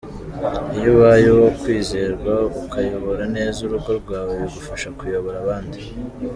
Iyo ubaye uwo kwizerwa ukayobora neza urugo rwawe bigufasha kuyobora abandi.